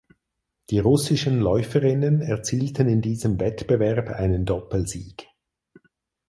Die russischen Läuferinnen erzielten in diesem Wettbewerb einen Doppelsieg.